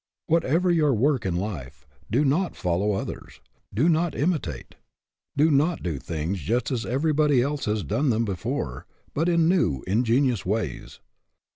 What ever your work in life, do not follow others. Do not imitate. Do not do things just as everybody else has done them before, but in new, ingenious ways.